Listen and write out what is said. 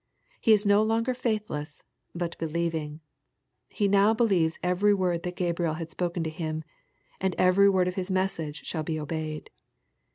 He is no longer faithless, but believing. He now believes every word that Gabriel had spoken to him, and every word of his message shall be obeyed.